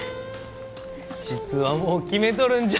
実はもう決めとるんじゃ。